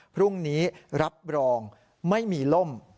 พรุ่งนี้รับรองไม่มีล่ม